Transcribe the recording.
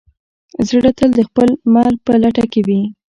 زړه تل د خپل مل په لټه کې وي.